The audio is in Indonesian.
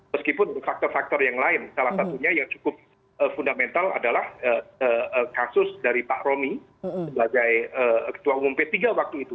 meskipun faktor faktor yang lain salah satunya yang cukup fundamental adalah kasus dari pak romi sebagai ketua umum p tiga waktu itu